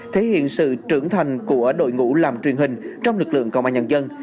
thể hiện sự trưởng thành của đội ngũ làm truyền hình trong lực lượng công an nhân dân